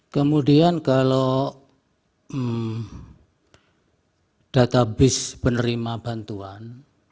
kemudian kalau database penerima bantuan